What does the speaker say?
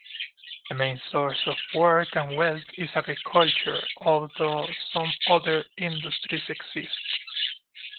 The main source of work and wealth is agriculture although some other industries exist.